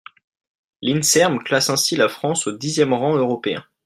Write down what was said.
L’INSERM classe ainsi la France au dixième rang européen.